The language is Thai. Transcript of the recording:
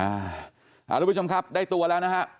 ทุกผู้ชมครับได้ตัวแล้วนะฮะ